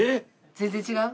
全然違う？